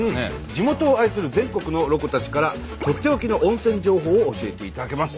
地元を愛する全国のロコたちからとっておきの温泉情報を教えていただけます。